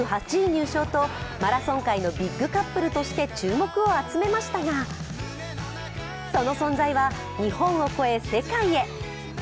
入賞とマラソン界のビッグカップルとして注目を集めましたがその存在は、日本を越え世界へ。